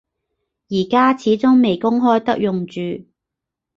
而家始終未公開得用住